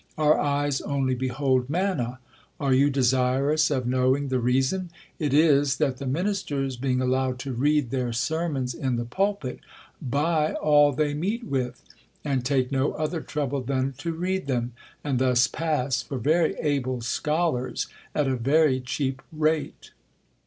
Our eyes only behold manna: are you desirous of knowing the reason? It is, that the ministers being allowed to read their sermons in the pulpit, buy all they meet with, and take no other trouble than to read them, and thus pass for very able scholars at a very cheap rate!'"